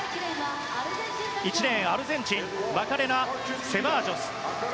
１レーン、アルゼンチンマカレナ・セバージョス。